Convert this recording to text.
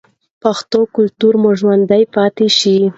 پښتو کلتور مو ژوندی پاتې شي.